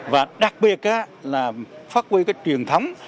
và đặc biệt là phát huy cái truyền thống